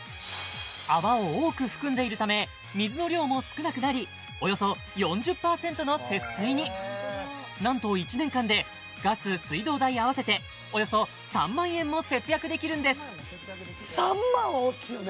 泡を多く含んでいるため水の量も少なくなりおよそ４０％の節水になんと１年間でガス・水道代合わせておよそ３万円も節約できるんです３万大きいよね？